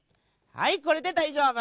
はいこれでだいじょうぶ！